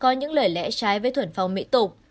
những lời lẽ trái với thuận phong mỹ tục